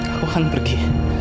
aku akan pergi